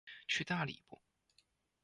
去大理不